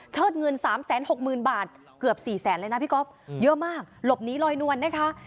เชิดเงินสามแสนหกหมื่นบาทเกือบสี่แสนเลยนะพี่ก๊อบเยอะมากหลบนี้ลอยนวลนะคะ